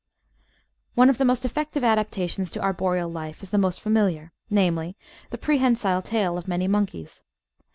One of the most effective adaptations to arboreal life is the most familiar — ^namely, the prehensile tail of many monkeys.